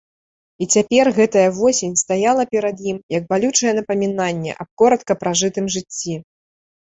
І цяпер гэтая восень стаяла перад ім, як балючае напамінанне аб коратка пражытым жыцці.